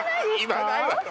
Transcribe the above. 言わないわよ